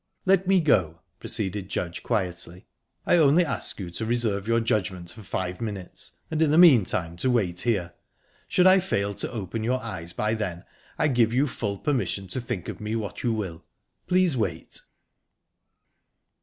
"Let me go," proceeded Judge quietly. "I ask you only to reserve your judgement for five minutes, and in the meantime to wait here. Should I fail to open your eyes by then, I give you full permission to think of me what you will. Please wait."